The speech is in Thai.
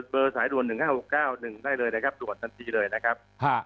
เบอร์สายด่วน๑๕๖๙๑ได้เลยนะครับตรวจทันทีเลยนะครับ